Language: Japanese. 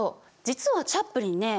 実はチャップリンね